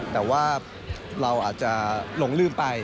แต่ว่าเราอาจจะหลงลืมไป